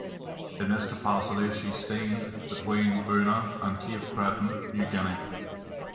In this capacity, she steamed between Buna, and Cape Cretin, New Guinea.